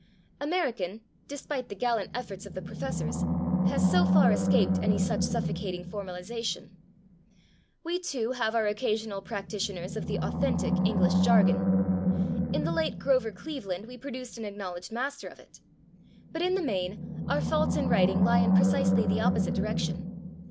" American, despite the gallant efforts of the professors, has so far escaped any such suffocating formalization. We, too, of course, have our occasional practitioners of the authentic English Jargon; in the late Grover Cleveland we produced an acknowledged master of it. But in the main our faults in writing lie in precisely the opposite direction.